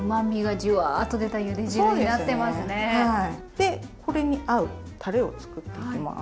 でこれに合うたれを作っていきます。